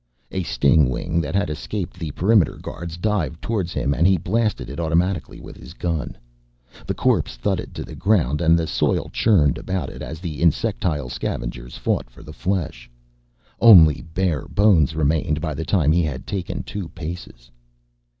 A stingwing that had escaped the perimeter guards dived towards him and he blasted it automatically with his gun. The corpse thudded to the ground and the soil churned around it as the insectile scavengers fought for the flesh; only bare bones remained by the time he had taken two paces.